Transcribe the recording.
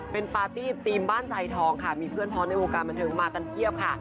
เป็นปาร์ตี้ธีมบ้านไซทองค่ะมีเพื่อนพร้อมในวงการบันเทิงมากันเพียบค่ะ